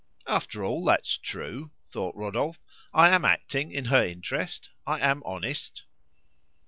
"After all, that's true," thought Rodolphe. "I am acting in her interest; I am honest."